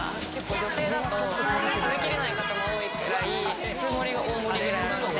女性だと食べきれない方も多いくらい普通盛りが大盛りくらいあるので。